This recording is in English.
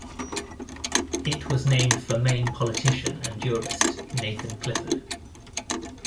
It was named for Maine politician and jurist Nathan Clifford.